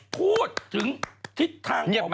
พูดถึงทิศทางของปุ๊บ